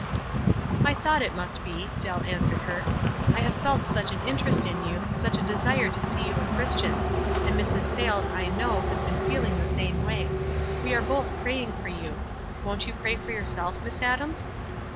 "I thought it must be," Dell answered her. "I have felt such an interest in you, such a de sire to see you a Christian ; and Mrs. Sayles, I know, has been feeling in the same way. "We are both praying for you. Won't you pray for yourself, Miss Adams?"